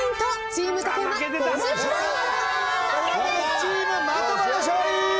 チーム的場の勝利！